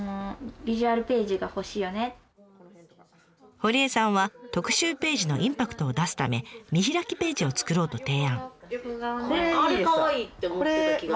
堀江さんは特集ページのインパクトを出すため見開きページを作ろうと提案。